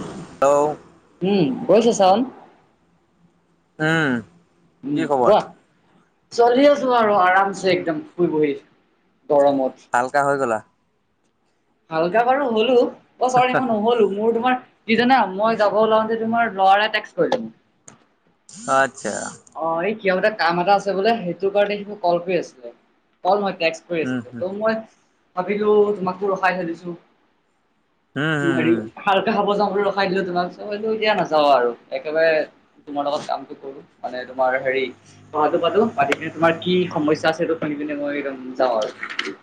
Hello উম, গৈছে sound. উম। কি উম, খবৰ কোৱা। চলি আছো আৰু আৰামছে একদম শুই বহি গৰমত। হালকা হৈ গ'লা। হালকা বাৰু হ'লো অ চৰি মই নহ'লো মোৰ তোমাৰ কি জানা মই যাব ওলাওঁতে তোমাৰ লৰা এটাই টেক্স কৰিলে। আচ্ছা। অ', এই কিয় এটা কাম এটা আছে বোলে সেইটো কাৰণে মোক কল কৰি আছিলে, কল নহয় টেক্স। উম হম মই ভাবিলো তোমাকো ৰখাই থলছো উম হেৰি খাব চাম ৰখাই দিলো তোমাক চব এতিয়া নাযাও আৰু একেবাৰে তোমাৰ লগত কামটো কৰো মানে তোমাৰ হেৰি পঢ়াটো পাতো, পাতি কিনে তোমাৰ কি সমস্যা আছে সেইটো শুনি পিনে মই একদম যাওঁ আৰু।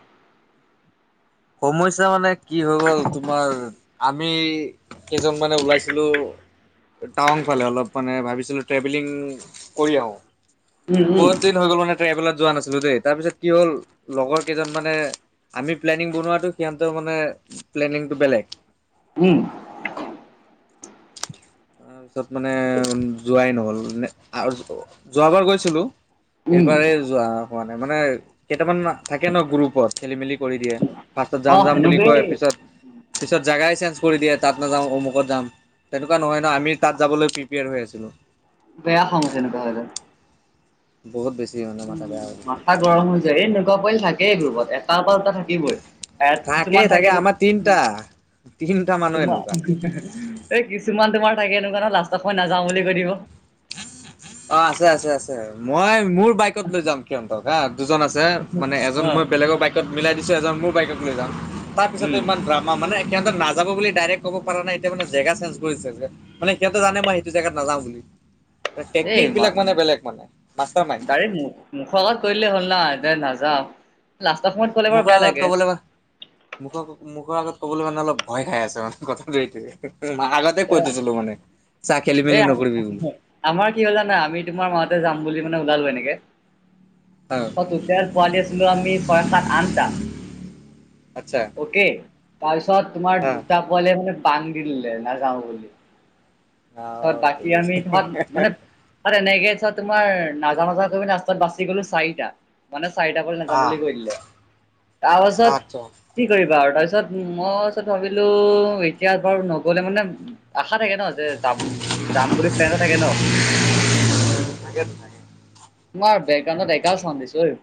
সমস্যা মানে কি হৈ গ'ল তোমাৰ, আমি কেইজনমানে ওলাইছিলোঁ, টাৱং ফালে অলপ মানে ভাবিছিলোঁ ট্ৰেভেলিং কৰি আহোঁ। উম উম ক'ত কি হৈ গ'ল মানে ট্ৰেভেলত যোৱা নাছিলোঁ দেই, তাৰ পিছত কি হ'ল লগৰ কেইজনমানে আমি প্লেনিং বনোৱাটো সিহঁতৰ মানে প্লেনিংটো বেলেগ। উম। তাৰপিছত মানে উম, যোৱাই নহ'ল [unintelligible] যোৱাবাৰ গৈছিলোঁ। উম এইবাৰেই যোৱা হোৱা নাই মানে কেইটামান থাকে ন গ্ৰুপত খেলি মেলি কৰি দিয়ে, ফাৰ্ষ্টত অ যাম যাম বুলি সেনেকুৱাই কয় পিছত পিছত জাগাই চেঞ্জ কৰি দিয়ে তাত নাযাওঁ অমুকত যাম তেনেকুৱা নহয় ন আমি তাত যাবলৈ প্ৰিপেয়াৰ হৈ আছিলো বেয়া সমওঁ তেনেকুৱালে বহুত বেছি মানে ম মাথা বেয়া হৈ গৈছে। মাথা গৰম হৈ যায় এনেকুৱা পৰিৱাল থাকেই গ্ৰুপত এটা পৰা এটা থাকিবই কিছুমান থাকে তিনটা মানুহ তোমাৰ এনেকুৱা। এই কিছুমান তোমাৰ থাকে এনেকুৱা ন লাষ্ট সময় নাযাওঁ বুলি ক দিব অ আছে আছে আছে মই মোৰ বাইকত লৈ যাম সিহঁতক এ দুজন আছে মানে এজন অ মই বেলেগৰ বাইকত মিলাই দিছো এজন মোৰ বাইকত লৈ যাাম তাৰ পিছতো উম ইমান ড্ৰামা মানে সিহঁত নাাব বুলি ডাইৰেক্ট ক'ব পৰা নাই এতিয়া মানে জেগা চেঞ্জ কৰিছে যে মানে সিহঁতেো জানে মই সেইটো জেগাত নাযাওঁ বুলি টেকনিক বিলাক মানে বেলেগ মানে মাাৰ মাইণ্ড এই ডাইৰেক্ট মুখৰ আগত কৰি দলেই হ'ল না দে নাযাওঁ লাষ্টটা সময়ত কলে বাৰু মুখৰ বেয়া আগত লাগে ক'বলৈ মানে মুখৰ মুখৰ আগত ক'বলৈ মানে অলপ ভয় খাই আছে মানে কৰি আগত কৈ দিছিলো মানে চা খেলি মেলি এ নকৰিবি বুলি আমাৰ কি হলা নাই আমি তোমাৰ মাতে যাম বুলি মানে ওলালো এনেকে টেল পোৱালি আছিলো আমি ছয় সাত আঠটা আচ্ছা অকে তাৰপিছত তোমাৰ দুটা কলে মানে বান্ধ দিলে নাযাওঁ বুলি চ বাকী আমি ধত মানে আৰু এনেকে চ তোমাৰ নাজা মাজা কৰিি ৰাস্তাত বাচি গলো চাৰিটা মানে চাৰিটাাক নাযাম হা বুলি কৈলে তাৰপাছত কি কৰিবা আৰু তাৰপিছত মই ওচৰত ভাবিলো এতিয়া বাৰু নগলে মানে আশা থাকে ন যে যাম যাম বুলি প্লেনত থাকে ন নাকে ন তোমাৰ বকগ্ৰাউণ্ডত এাল চন্দ দিছো এই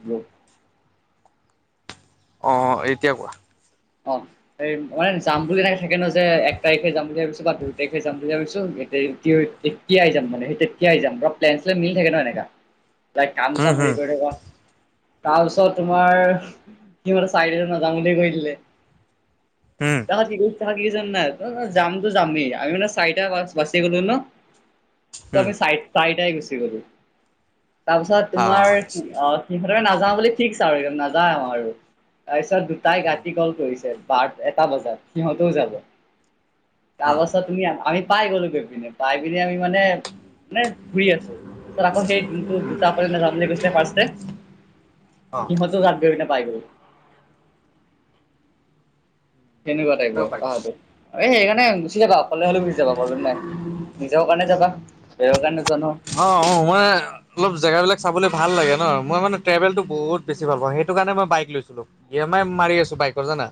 অঁ এতিয়া কোৱা অফ এই মানে যাম বুলি এনেক থাকে ন যে এক তাৰিখে যাম বুলি ভাবিছো বা দুই তাৰিখে যাম বুলি ভাবিছো এ কি আইজাম মানে কি আইজাম সেই তেতিয়া আহ যাম বা প্লেন্লে মিল থে ন এনেককা [unintelligible] লাইক কাম উম চাম হেৰি হুম কৰি থকা তাৰপিছত তোমাৰ সিহঁতে চাৰিদজন নাযাওঁ বুলি কৈ দিলে হম টকা ত্ৰিৰিশ টকা দি আছা নাই যামতো যামেই আমি মানে চাৰিটা বাচি গলো ন ত উম আমি চাই চাৰিটাই গুচি গলো তাৰপিছত আহ তোমাৰ অ সিহঁতেৰে নাযাওঁ বুলি ঠিকছ আৰু নাযাওঁ আৰু তাৰপিছত দুটাই উম গাটতি গ'ল কৰিছে বাট এটা বজাত সিহঁতও যাব তাৰপাছত অ তুমি আমি পাই গ'লো গৈ পিনে পাই পিনে আমি মানে মানে ঘূৰি আছো, আকৌ সেই যোনটো জোত প যাম [unintelligible] অ [unintelligible] [unintelligible] সেনেকুৱা টাইপৰ, তাহটো সেইকাৰণে গুচি যাবা অকলে হ'লেও গুচি যাবা প্ৰব্লেম নাই, নিজৰ কাৰণে যাবা বেলেগৰ কাৰণে নোযোৱা নহয় অ', অ', মই অলপ জেগাবিলাক চাব ভাল লাগে ন, মইানে ট্ৰেভেলটো বহুত বেছি ভাল পাওঁ সেইটো কাৰণে মই বাইক লৈছিলো ই এম আই মাৰি আছো বাইকৰ জানা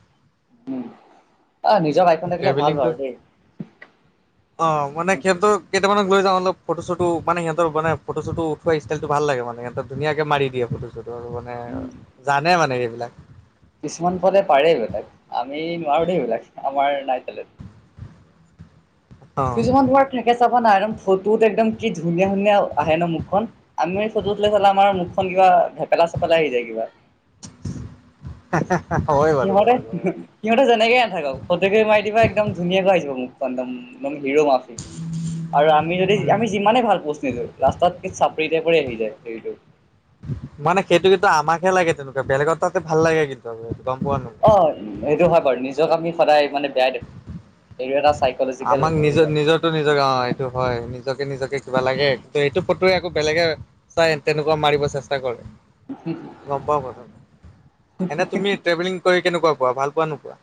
অ নিজৰ গাড়ীখন থাকিলে ভাল ট্ৰেভেলিংটোত বাৰু দেই। অ', মানে সিহঁতৰ কেইটামানক লৈ যাও, অলপ ফটোশ্বুট ত মানে সিহঁতৰ মানে ফটো চতো, উঠোৱা ষ্টাইলটো ভাল লাগে মানে সিহঁতক ধুনিয়াকে মাৰি দিয়ে ফটো চতো আৰু এ, জানে মানে এইবিলাক কিছুমান পদে পাৰে এইবিলাক, আমি নোৱাৰো দেই এইবিলাক আমাৰ নাই টেলেণ্ট কিছুমান ঘৰত থাকে চাবা না এয়াৰম ফটোত একদম কি ধুনীয়া ধুনীয়া আহে ন মুখখন, আমি ফটোতৈ চালা আমাৰ মুখ খন কিবা ভেপেলা চেপেলা আহি যায় কিবা অ হয় বাৰু সিহঁতে কথাটো সিহঁতে যেনেকে নাথাকক, ফটো একপি দিবা একদম ধুনীয়াকৈ আহি যাব মুখ খন একদম একম হিৰো মাফি, আৰু আমি যদি উম আমি যিমানে ভাল পজ নিদু লাষ্টত নি চাব ফ্ৰীতে পৰি আহি যায় হেৰিটো মানে, সেইটো কিন্তু আমাকহে লাগে তেনেকুৱা বেলেগৰ তাতে ভাল লাগে কিন্তু গম পোৱা নো হয়, সেইটো হয় বাৰু নিজক আমি সদায় মানে বেয়াই দেখো এইটো এটা চাইকল আমাক নিজৰ নিজৰ টো নিজৰ এইটো হয়, নিজকে নিজকে কিবা লাগে কিন্তু এইটো ফটো আকৌ বেলেগে চাই তেনেকুৱা মাৰিব চেষ্টা কৰে, গম পাও প্ৰথম এনে তুমি ট্ৰভেলিং কৰি কেনেকুৱা পোৱা ভাল পোৱা নোপোৱা?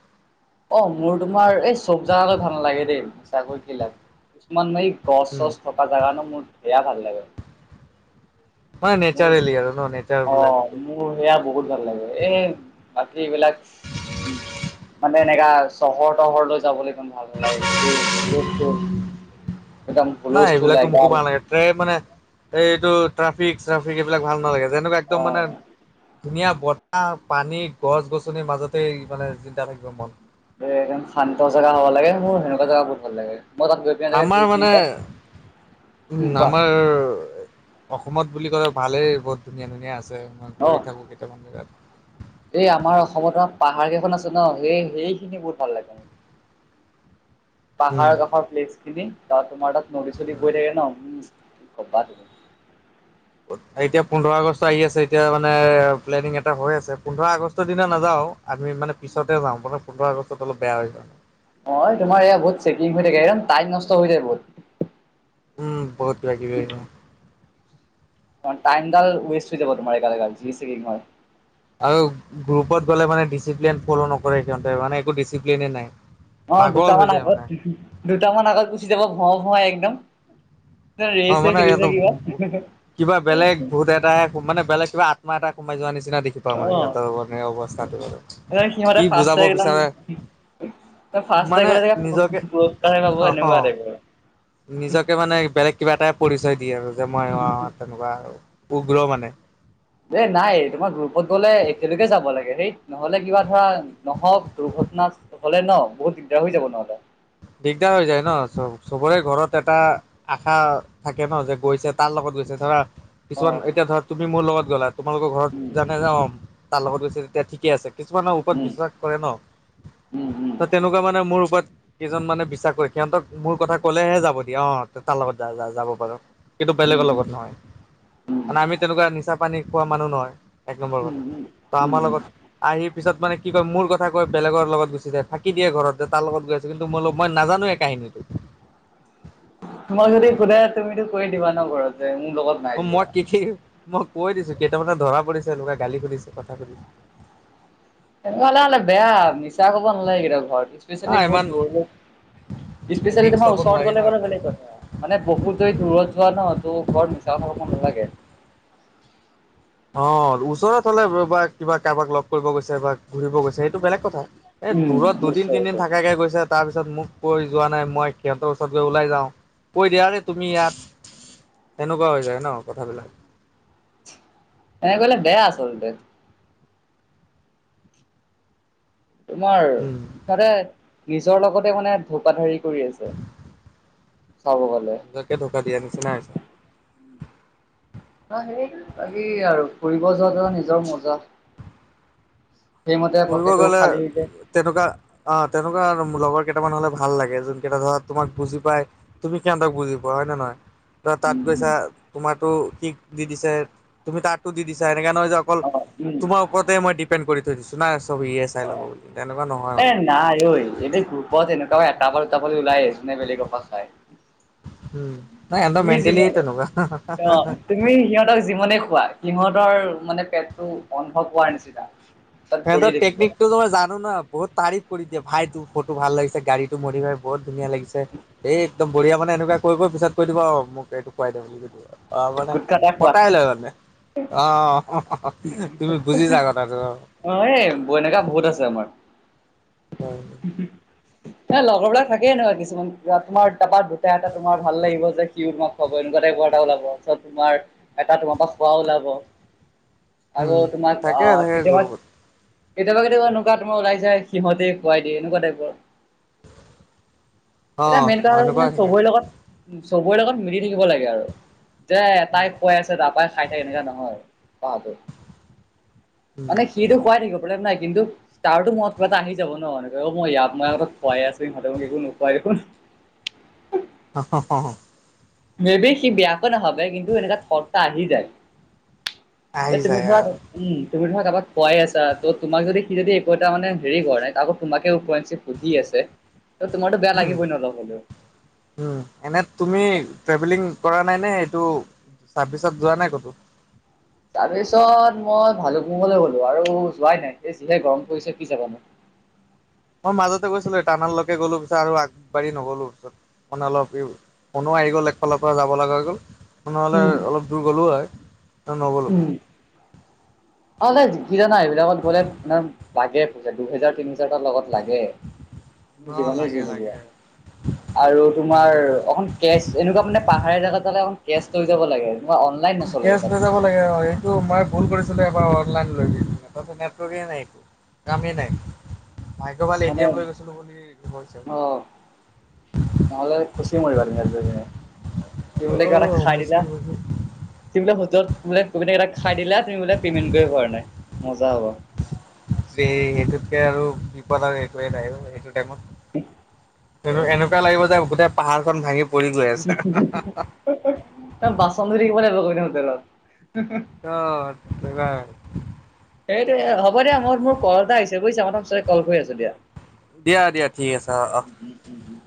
অ', মোৰ তোমাৰ এই চব জাগাতে ভাল নালাগে দেই, চাকৈ বিলাক কিছুমান মাই ক গ উম চছ থকা জেগানো মোৰ বেয়া ভাল লাগে মানে, মোৰ নেচাৰেলি আৰু ন নেচাৰ বিলাক। অ', মোৰ, সেয়া বহুত ভাল লাগে এই বাকী বিলাক। মানে, এনেকা চহৰ তহৰ লৈ যাবলৈ ইমান ভাল নালাগে গোটেই একদম ভুলস্থুল লাই বাম। দে মানে, এইটো ট্ৰেফিক চেফিক এইবিলাক ভাল নালাগে যেনেকুৱা একদম মানে অ'। ধুনীয়া বতাহ, পানী, গছ গছনিৰ মাজতেই মানে চিন্তা থাকিব মন এ, একম শান্ত জেগা হবা লাগে, মোৰ হেনুকা জাগা বুত ভাল লাগে মই তাত গৈ পিনে দুই আমাৰ, তিনি মানে ঘণ্টা উ উম, কোৱা আমাৰ অসমত বুলি ক'লে ভালেই বহুত ধুনীয়া, ধুনীয়া আছে, মই অ', গৈয়ে থাকোঁ কেইটামান জেগাত এই, আমাৰ অসমত পাহাৰ কেইখন আছে ন সেই সেইখিনি বহুত ভাল লাগে। চ পাহাৰ কাষৰ প্লেচ খিনিত, তোমাৰ তাত নদী চদী উম। পৰি থাকে থাকে ন কবাত এতিয়া পোন্ধৰ আগষ্ট আহি আছে, এতিয়া মানে প্লেনিং এটা হৈ আছে পোন্ধৰ আগষ্টৰ দিনা নাযাও- আমি মানে, পিছতে যাওঁ মানে পোন্ধৰ আগষ্টত অলপ বেয়া হয় কাৰণে অ', তোমাৰ ইয়া, বহুত চেকিং হৈ থাকে টাইম নষ্ট হৈ যায় বহুত উম, বহুত [unintelligible] অ', টাইমডাল ৱেষ্ট হৈ যাব তোমাৰ একে যি চ কি হয়। আৰু গ্ৰুপত গ'লে মানে, ডিচিপ্লিন ফল' নকৰে সিহঁতে মানে একো ডিচিপ্লনেই নাই। অ', পাগল হৈ দুটামান যায় আগত মানে দুটামান আগত গুচি যাব ভুৱা ভৱাই একদম অ', ৰেচে মানে খেলিছে ইহতক, কিবা কিবা বেলেগ ভোত এটাই ও মানে বেলেগ কিবা আত্মা এটা সোমাই যোৱা নিচিনা দেখি। মানে অ সিহঁতৰ অৱস্থাটো বাৰ একদম সিহঁতে কি ফাৰ্ষ্ট বুজাব একদম বিচাৰা। ফাৰ্ষ্ট মানে গ'লে চাগে নিজকে পুৰস্কাৰে পাব এনেকুৱা টাইপৰ নিজকে মানে বেলেগ কিবা এটাই পৰিচয় দিয়ে আৰু যে মই অ' তেনেকুৱা উগ্ৰ মানে। এ নাই তোমা গ্ৰুপত গলে একেলগে যাব লাগে হেই। নহ'লে কিবা ধৰা নহওক দুৰ্ঘটনা হ'লে ন বহুত দিগদাৰ হৈ যাব নহ'লে। দিগদাৰ হৈ যায় ন চব চবৰে ঘৰত এটা আশা থাকে ন' যে গৈছে তাৰ লগত গৈছে ধৰা কিছুমান তোমাক এতিয়া ধৰা তুমি মোৰ লগত গ'লা। তোমালোকৰ ঘৰত জানে যাওঁ তাৰ লগত গৈছে তেতিয়া ঠিকে আছে। কিছুমানৰ ওপৰত বিশ্বাস কৰে ন' তো তেনেকুৱা মানে মোৰ ওপৰত কেইজন মানে বিশ্বাস কৰে সিহঁতক মোৰ কথা কলেহে যাব দিয়া অ' তাৰ লগত য যাব পাৰু। সেইটো বেলেগৰ লগত নহয়। মানে আমি তেনেকুৱা নিচা পানী খোৱা মানুহ নহয় এক নম্বৰ কথা ত আমাৰ লগত আহি পিছত মানে কি কয় মোৰ কথা কয় বেলেগৰ লগতুচ যায় ফাঁকি দিয়ে ঘৰত যে তাৰ লগত গৈ মইল মই নাজানো কাহীতটো। তোমাক যদি সোধ তুমিতো কৈ দিবা ন' ঘৰতে মোৰ লগত নাই অ' মই যোৱা। কি কি মই কৈ দিছো কেইটামানে ধৰা পৰিছে এনেকুৱে গালি সুধিছে কথা সুধছে। তেনেকুৱা হলে হ'লে বেয়া মিা কব নালাগেেইতিটা ঘৰ পিছ হা হুিয় ইমান ৰিক্স তোমাৰ ল'ব ওচৰত নোৱাৰি ন গলে বাৰু এইবিলাকত ভেলেই কথা। মানে বহুত যদি দূৰত যোৱা নহতো ঘৰত মিছা খাব নালাগে। অ' ওচৰত হলে বা কিবা কাৰোবাক লগ কৰিব গৈছে বা ঘূৰিব গৈছে সেইটো বেলেগ কথা। এই দূৰত দুদিন তিনদিন থাকাকে গৈছে তাৰপিছত মোক কৈ যোৱা নাই মই সিহঁতৰ ওচৰত গৈ ওলাই যাওঁ কৈ দিয়া ৰে তুমি ইয়াত সেনেকুৱা হৈ যায় ন কথাবিলাক। এনে কলে বেয়া আচলতে। তোমাৰ উম, তাতে নিজৰ লগতে মানে ধোপ ধাৰী কৰি আছে চা ব গলে। নিজকে থকা দিয়া নিচিনাাই হৈছে। ন' সেই বাকী আৰু ফুৰিব যোৱাতে নিজৰ মজা। সেইমতে ফুৰিব পকেটো গ'লে খালী যে তেনেকুৱা অ' তেনেকুৱা লগৰ কেইটামান হলে ভাল লাগে যোন কেইটা ধৰা তোমাক বুজি পাই। তুমি কে বুজি পোৱা হয় নে নহয়। ত' তাত গৈছা তোমাৰো কিক দি দিছে তুমি তাতো দি দিছা এনেকাে নহৈ যাওক অকল অ উম তোমাৰ ওপতে মই ডিপেণ্ড কৰি থৈ দিছো নাই চব ই চাই ল'ব বুলি তেনেকুৱা নহয় এ মানে। নাই ঐ এইব গ্ৰুপত এনেকুৱা এটাবাল দুটাপাল ওলাই আহিছে নে বেলেগৰক পৰা চাই। উম, নাই সিহঁতৰ তুমি মেণ্টেলি যমান তেনেকুৱা। অ' তুমি সিহঁতক যিমানে খোৱা সিহঁতৰ মানে পেটটো অন্ধ পোৱাৰ নিচিনা। তাত ভৰি ফেটৰ থাকিব টেকনিক টো মই জানো ন' বহুত তাৰিফ কৰি দিয়ে ভাই তোৰ ফটো ভাল লাগিছে গাড়ীটো মৰি ভাই বহুত ধুনীয়া লাগিছে এইে একদম বঢিয় মানে এনেকুৱা কৈ পিছত কৈ দিব আৰু মোক এইটো খুৱাই দে বুলি কৈ দো আৰু। অ' মানে গুটখা এটা খোৱা কটাই লয় মানে। অ' তুমি বুজিছা কথাতটো অ'। অ' এই বৈনকা বহুত আছে আমাৰ। হয়। এ লগৰবিলাক থাকেই এ নকুৱা কিছুমান তোমাৰ তাৰাপাত দুটা এটা তোমাৰ ভাল লাগিব যে কি তোমাক খাব এনেকুৱা টাইপৰ এটা ওলাব তোমাৰ এটা তোমাৰ পৰা খোৱাও ওলাব। উম আগৌ তোমাক থাকে থাকে কেতিয়া ব গ্ৰুপত কেতিয়াবা কেতিাবা নকুৱ তম ওাই সিহতে খুৱাইিয়ে একুৱা টাইপৰ। অ এটা মেইন কথা এনেকুৱা মে থাকে। চবৰে লগত চবৰে লগত মিলি থাকিব লাগে আৰু। যে এটাই খুৱ আছে তাৰাপাই খাই থাক এনেকে নহয় পাহটো উম মানে সি টো খুৱাই থাকিব প্ৰব্লেম নাই কিন্তু তাৰতো মনত কিবা এটা আহি যাব ন' এনেকে অ', মই ইয়াত মই আগতে খুৱাই আছোঁ, ইিহঁতে মোক একো নোখোৱাই দেখোন। [inaudible] মে বি সি বয়াকৈ নাভাবে কিন্তু এনেকা থত এটা আহি যায়। আহি তুমি যায় ধৰা আৰু উম, তুমি ধৰা কাৰোবাক খোৱাই আছা ত' তোমাক যদি সি যদি একো এটা মানে হেৰি কৰা নাই আকৌ তোমাকে ওপৰঞ্চি সুধি আছে তোমাৰতো বেয়া উম। লাগিবই ন' অলপ হলেও। উম, এনে তুমি ট্ৰেভেলিং কৰা নাই নে এইটো চাৰ্ভিচত যোৱা নাই ক'তো? চাৰ্ভিচত মই ভালুকপুংলৈ গলো আৰু যোৱাই নাই এ যিহে গৰম পৰিছে কি যাবা নো। মই মাজতে গৈছিলো টানাললৈকে গলো পিছত আগবাঢ়ি নগ'লো পিছত। মানে অলপ ই ফোনো আহি গ'ল একফালৰ পৰা যাব লগা হৈ গ'ল। নহ'লে উম অলপ দূৰ গ'লো হয় নগলো পিছত। অ', কি জানা এইবিলাকত গলে তোমাৰ লাগে পইচা দুহেজাৰ তিনি হেজাৰ এটা লগত লাগে। অ জীৱনে লাগে [unintelligible] লাগে আৰু তোমাৰ অখন কেচ, এনেকুৱা মানে পাহাৰ জেগাত যালে অকন কেচ লৈ যাব লাগে এনেকা অনলাইন নচলে কেচ [unintelligible] তাত। মই ভুল কৰিছিলোঁ এবাৰ অনলাইন লৈ গৈ কিনে, তাৰপিছত নেটৱৰ্কে নাই একো কামেই নাই ভাগ্য ভাল মানে এতি এম লৈ গৈছিলো বুলি হৈছেগৈ। অ' নহ'লে ফাঁচি মৰিবা তুমি তাত গৈ কেনে, কি অ বুলি কৈ এটা খাই দিলা। মুস্কিল মুস্কিল তুমি বোলে হোটেলত বোলে [unintelligible] খাই দিলা তুমি বোলে পেমেণ্ট কৰিব পৰা নাই, মজা হ'ব। বেহ, সেইটোতকে আৰু বিপদ আৰু একোৱে নাই অ, সেইটো টাইমত [unintelligible] তই লাগিব যে গোটেই পাহাৰখন ভাঙি পৰি গৈ আছে তাত বাচন ধুই থাকিব লাগিব [unintelligible] হোটেলত। অ', তেনেকুৱাই আৰু। সেইটোৱে হ'ব দিয়া মই মোৰ কল এটা আহি বুজিছা, মই তোমাক পিছতকে কল কৰি আছোঁ দিয়া। দিয়া দিয়া ঠিক আছে অ', অ', উম উম উম উম।